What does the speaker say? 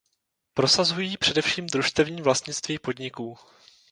Prosazují především družstevní vlastnictví podniků.